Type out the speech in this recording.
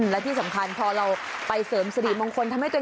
และที่สำคัญพอเราไปเสริมสถิบุลมงคล